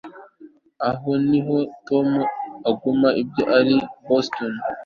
aha niho tom aguma iyo ari i boston